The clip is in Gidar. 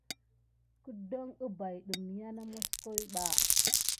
Kedan umpay ɗaki lemi naku nasum naba.